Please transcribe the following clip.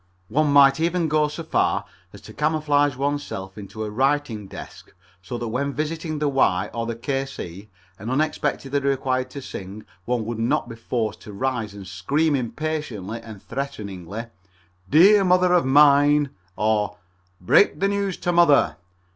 One might even go so far as to camouflage oneself into a writing desk so that when visiting the "Y" or the "K C" and unexpectedly required to sing one would not be forced to rise and scream impatiently and threateningly "Dear Mother Mine" or "Break the News to Mother."